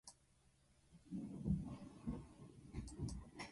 バレアレス諸島州の州都はパルマ・デ・マヨルカである